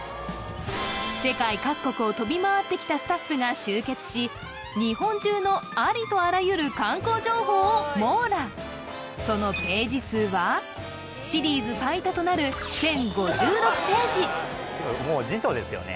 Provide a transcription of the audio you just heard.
世界各国を飛び回ってきたスタッフが集結し日本中のありとあらゆる観光情報を網羅そのページ数はシリーズ最多となる１０５６ページもう辞書ですよね